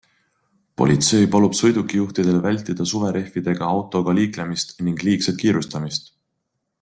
Politsei palub sõidukijuhtidel vältida suverehvidega autoga liiklemist ning liigset kiirustamist.